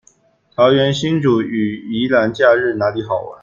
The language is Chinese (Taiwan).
桃園新竹與宜蘭假日哪裡好玩